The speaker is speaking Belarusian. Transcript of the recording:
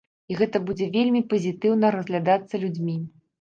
І гэта будзе вельмі пазітыўна разглядацца людзьмі.